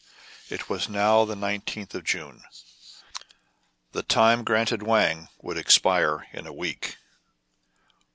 It was now the 19th of June. The time granted Wang would expire in a week.